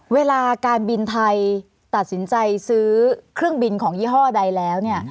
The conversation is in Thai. เวลาการบินไทยตัดสินใจซื้อเครื่องบินของยี่ห้อใดแล้ว